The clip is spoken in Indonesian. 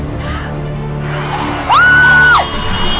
aku tulus mencintai kamu